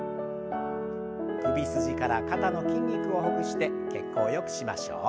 首筋から肩の筋肉をほぐして血行をよくしましょう。